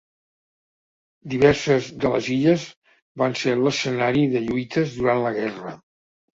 Diverses de les illes van ser l'escenari de lluites durant la guerra.